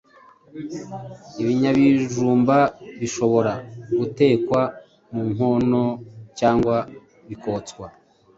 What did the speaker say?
Ibinyabijumba bishobora gutekwa mu nkono cyangwa bikotswa.